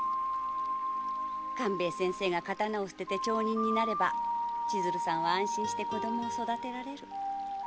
勘兵衛先生が刀を捨てて町人になれば千鶴さんは安心して子どもを育てられる。